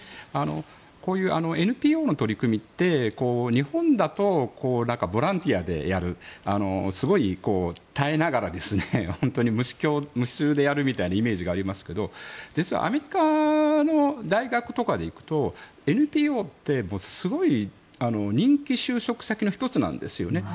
こういうＮＰＯの取り組みって日本だとボランティアでやるすごい耐えながら本当に無償でやるみたいなイメージがありますが実はアメリカの大学とかでいくとＮＰＯってすごい人気就職先の１つなんですよね。